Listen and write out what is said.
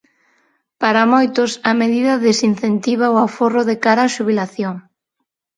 Para moitos, a medida desincentiva o aforro de cara á xubilación.